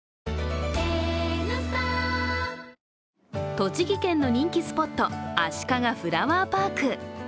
栃木県の人気スポットあしかがフラワーパーク。